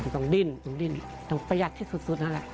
ต้องดิ้นต้องประหยัดที่สุดนั่นแหละ